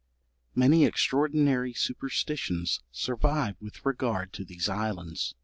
Many extraordinary superstitions survive with regard to these islands.